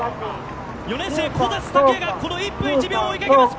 ４年生、小指卓也が１分１秒を追いかけます。